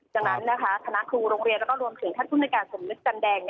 ดังนั้นคณะครูโรงเรียนแล้วก็รวมถึงท่านภูมิในการสมนึกจันแดง